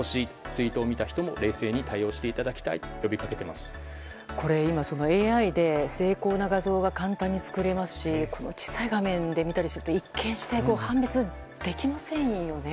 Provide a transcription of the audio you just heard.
ツイートを見た人も冷静に対応していただきたいと今、ＡＩで精巧な画像が簡単に作れますし小さい画面で見たりすると一見して判別できませんよね。